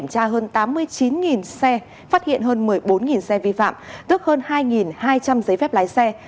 phát hiện hơn một mươi bốn xe vi phạm tức hơn hai hai trăm linh giấy phép lái xe